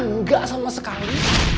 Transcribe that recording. enggak sama sekali